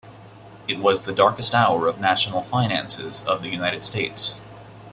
It was the darkest hour of national finances of the United States.